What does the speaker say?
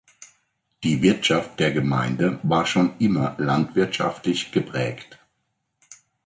Die Wirtschaft der Gemeinde war schon immer landwirtschaftlich geprägt.